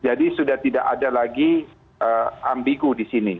jadi sudah tidak ada lagi ambigu di sini